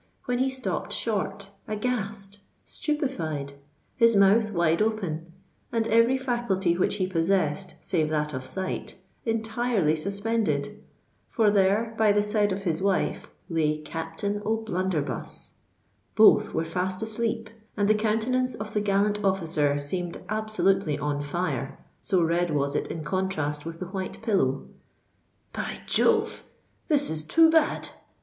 "—when he stopped short—aghast—stupefied—his mouth wide open—and every faculty which he possessed, save that of sight, entirely suspended. For there—by the side of his wife—lay Captain O'Blunderbuss! Both were fast asleep; and the countenance of the gallant officer seemed absolutely on fire, so red was it in contrast with the white pillow. "By Jove—this is too bad!"